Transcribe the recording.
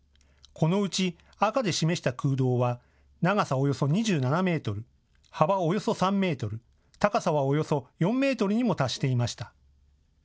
このうち赤で示した空洞は長さおよそ２７メートル、幅およそ３メートル、高さはおよそ４メートルにも達していました。